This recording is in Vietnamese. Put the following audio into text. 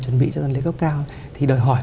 chuẩn bị cho dân lý cấp cao thì đòi hỏi